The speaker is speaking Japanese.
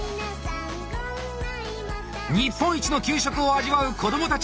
日本一の給食を味わう子どもたち。